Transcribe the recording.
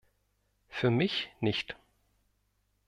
Für mich nicht!